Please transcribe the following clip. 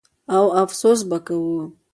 او افسوس به کوو.